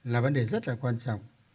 là vấn đề rất là quan trọng